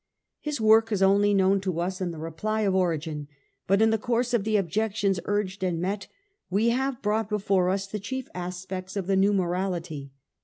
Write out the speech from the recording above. His work is only known to us in the reply of Origen, but in the course of the ob jections urged and met, we have brought before us the chief aspects of the new morality.